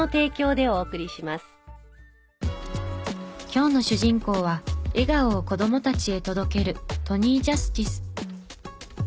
今日の主人公は笑顔を子どもたちへ届けるトニー・ジャスティス。